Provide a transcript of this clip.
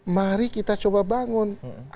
mari kita coba bangun